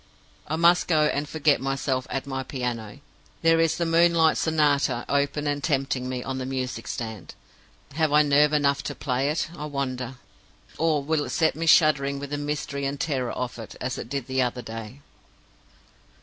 I must go and forget myself at my piano. There is the 'Moonlight Sonata' open, and tempting me, on the music stand. Have I nerve enough to play it, I wonder? Or will it set me shuddering with the mystery and terror of it, as it did the other day?"